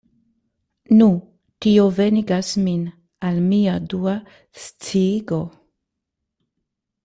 Nu, tio venigas min al mia dua sciigo.